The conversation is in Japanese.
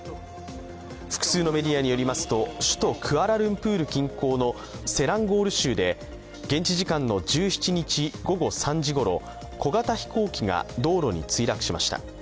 複数のメディアによりますと首都クアラルンプール近郊のセランゴール州で現地時間の１７日午後３時ごろ小型飛行機が道路に墜落しました。